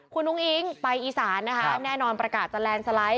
คุณอุ้งอิ๊งไปอีสานนะคะแน่นอนประกาศจะแลนด์สไลด์